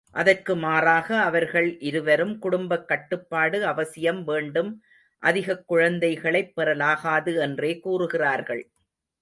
அதற்கு மாறாக அவர்கள் இருவரும் குடும்பக் கட்டுப்பாடு அவசியம் வேண்டும், அதிகக் குழந்தைகளைப் பெறலாகாது என்றே கூறுகிறார்கள்.